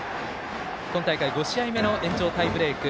今大会５試合目の延長タイブレーク。